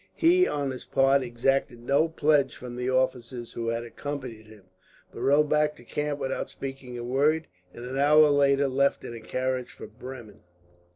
He, on his part, exacted no pledge from the officers who had accompanied him, but rode back to camp without speaking a word, and an hour later left in a carriage for Bremen.